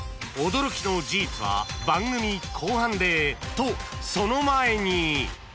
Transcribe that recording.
［とその前に］